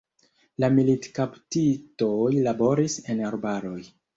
La militkaptitoj laboris en arbaroj.